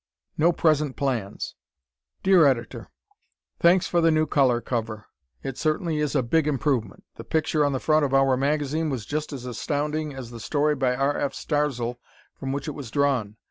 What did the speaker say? No Present Plans Dear Editor: Thanks for the new color cover. It certainly is a big improvement. The picture on the front of "our" magazine was just as astounding as the story by R. F. Starzl from which it was drawn.